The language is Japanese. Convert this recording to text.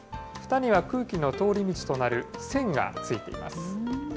ふたには空気の通り道となる栓がついています。